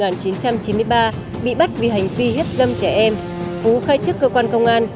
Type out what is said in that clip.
năm một nghìn chín trăm chín mươi ba bị bắt vì hành vi hiếp dâm trẻ em phú khai chức cơ quan công an